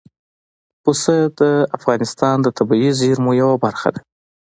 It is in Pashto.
پسه د افغانستان د طبیعي زیرمو یوه برخه ده.